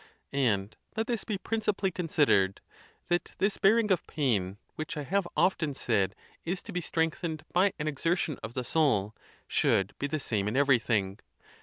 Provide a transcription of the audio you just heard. And let this be principally considered: that this bearing of pain, which I have often said is to be strengthened by an exertion of the soul, should be the same in everything.